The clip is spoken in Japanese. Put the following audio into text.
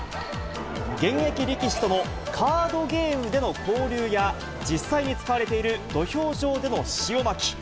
現役力士とのカードゲームでの交流や、実際に使われている土俵上での塩まき。